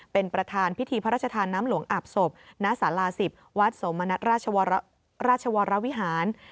เป็นประธานพิธีพระราชทานน้ำหลวงอาบศพณศาลา๑๐วัดสมณัฐราชวรวิหาร